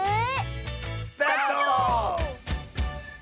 スタート！